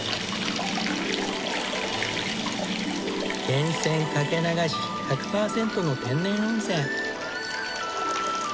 源泉掛け流し１００パーセントの天然温泉。